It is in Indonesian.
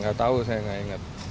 gak tau saya gak inget